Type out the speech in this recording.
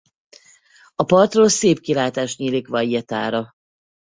A partról szép kilátás nyílik Vallettára.